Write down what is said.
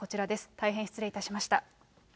大変失礼いたしました。